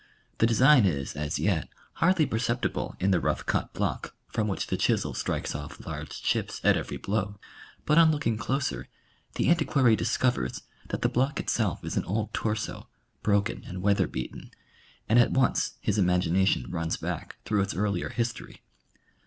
The design is as yet hardly perceptible in tlie rough cut block, from which the chisel strikes off large chips at every blow ; but on looking closer the antiquary discovers that the block itself is an old torso, bi'oken and weather beaten, and at once his imagination runs back through its earlier history.